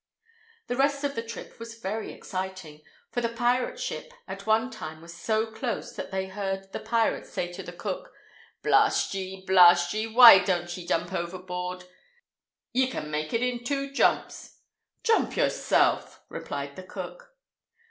The rest of the trip was very exciting, for the pirate's ship at one time was so close that they heard the pirate say to the cook, "Blast ye! Blast ye! Why don't ye jump aboard? Ye can make it in two jumps!" "Jump yourself!" replied the cook.